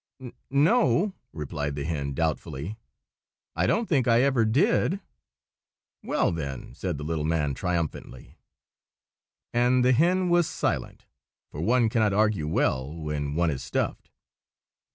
"N—no," replied the hen, doubtfully, "I don't think I ever did." "Well, then!" said the little man, triumphantly. And the hen was silent, for one cannot argue well when one is stuffed.